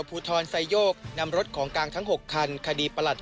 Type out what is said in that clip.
จอบประเด็นจากรายงานของคุณศักดิ์สิทธิ์บุญรัฐครับ